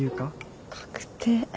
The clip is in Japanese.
確定。